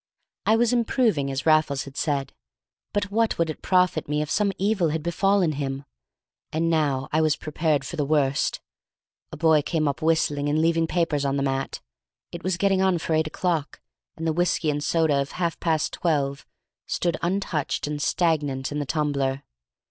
I was improving, as Raffles had said; but what would it profit me if some evil had befallen him? And now I was prepared for the worst. A boy came up whistling and leaving papers on the mats; it was getting on for eight o'clock, and the whiskey and soda of half past twelve stood untouched and stagnant in the tumbler.